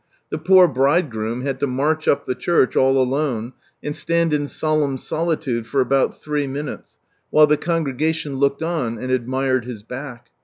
The poor bridegroom had to march up the church all alone, and stand in solemn solitude for about three minutes, while the congregation looked on, and admired his back.